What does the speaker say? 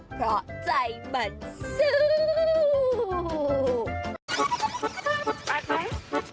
เพราะใจมันสู้